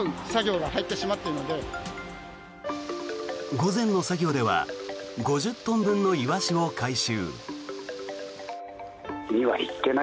午前の作業では５０トン分のイワシを回収。